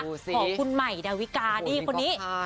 ของคุณใหม่ดาวิกานี่คนนี้